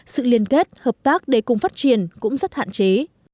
sự liên kết hợp tác để cùng phát triển cũng rất hạn chế